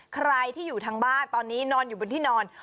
ใครที่อยู่ทางบ้านตอนนี้นอนอยู่บนที่นอน